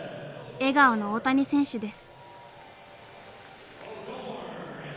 笑顔の大谷選手です。